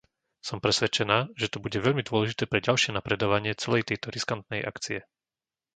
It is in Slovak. Som presvedčená, že to bude veľmi dôležité pre ďalšie napredovanie celej tejto riskantnej akcie.